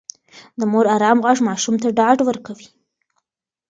د مور ارام غږ ماشوم ته ډاډ ورکوي.